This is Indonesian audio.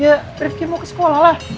ya rifki mau ke sekolah lah